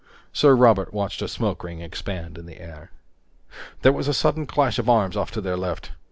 Sir Robert watched a smoke ring expand in the air. There was a sudden clash of arms off to their left.